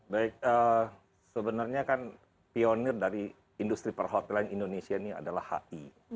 baik sebenarnya kan pionir dari industri perhotelan indonesia ini adalah hi